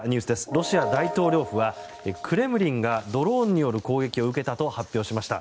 ロシア大統領府は、クレムリンがドローンによる攻撃を受けたと発表しました。